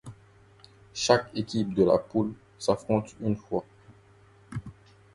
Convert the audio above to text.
Chaque équipe de la poule s'affronte une fois.